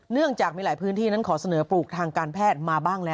เนื่องจากมีหลายพื้นที่นั้นขอเสนอปลูกทางการแพทย์มาบ้างแล้ว